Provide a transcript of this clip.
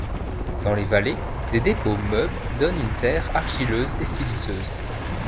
Dans les vallées, des dépôts meubles donnent une terre argileuse et siliceuse.